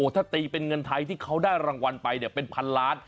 ถ้าตีเป็นเงินไทยที่เขาได้รางวัลไปเป็นพันล้าน